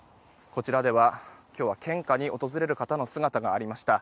こちらでは、今日は献花に訪れる方の姿がありました。